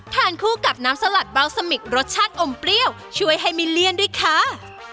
ทานคู่กับน้ำสลัดเบาสมิกรสชาติอมเปรี้ยวช่วยให้ไม่เลี่ยนด้วยค่ะ